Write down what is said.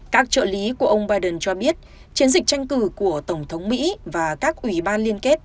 các trợ lý của ông biden cho biết chiến dịch tranh cử của tổng thống mỹ và các ủy ban liên kết